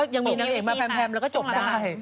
ยังมีนางเอกมาแพมแล้วก็จบได้